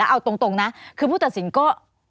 เอาตรงนะคือผู้ตัดสินก็